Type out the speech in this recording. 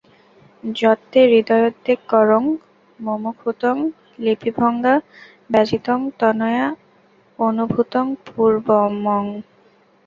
যত্তে হৃদয়োদ্বেগকরং মুমুক্ষুত্বং লিপিভঙ্গ্যা ব্যঞ্জিতং, Tanmaya অনুভূতং পূর্বম্।